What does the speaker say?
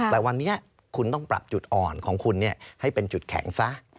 แต่วันนี้คุณต้องปรับจุดอ่อนของคุณให้เป็นจุดแข็งซะ